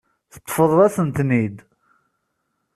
Teṭṭfeḍ-asent-ten-id.